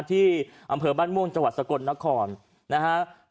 ที่อำเภอบ้านม่วงจังหวัดสกลนครนะฮะ